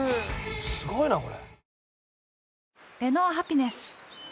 すごいなこれ。